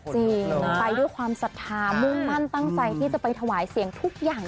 จริงไปด้วยความศรัทธามุ่งมั่นตั้งใจที่จะไปถวายเสียงทุกอย่าง